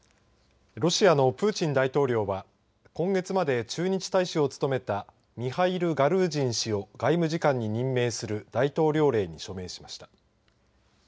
ロシアのプーチン大統領は今月まで駐日大使を務めたミハイル・ガルージン氏を外務次官に任命する大統領令に署名しました。